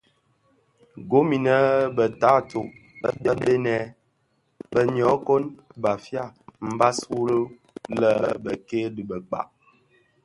Gom inèn bë taatoh bë bënèn, bë nyokon (Bafia) mbas wu lè bekke dhi bëkpag,